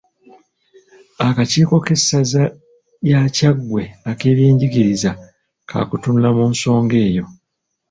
Akakiiko k'essaza lya Kyaggwe ak'ebyenjigiriza kakutunula mu nsonga eyo.